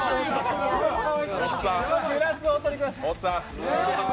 グラスをお取りください。